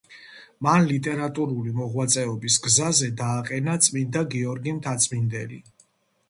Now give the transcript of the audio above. მან ლიტერატურული მოღვაწეობის გზაზე დააყენა წმიდა გიორგი მთაწმინდელი.